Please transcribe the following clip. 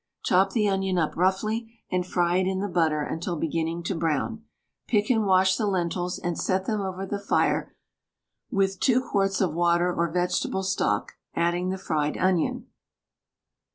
Chop the onion up roughly, and fry it in the butter until beginning to brown. Pick and wash the lentils, and set them over the fire with 2 quarts of water or vegetable stock, adding the fried onion.